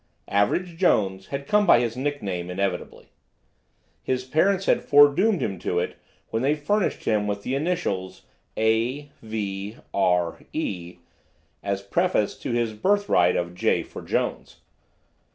Average Jones had come by his nickname inevitably. His parents had foredoomed him to it when they furnished him with the initials A. V. R. E. as preface to his birthright of J for Jones.